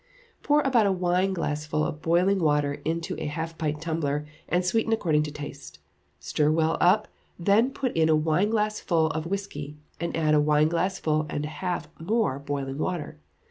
Pour about a wineglassful of boiling water into a half pint tumbler, and sweeten according to taste. Stir well up, then put in a wineglassful of whisky, and add a wineglassful and a half more boiling water.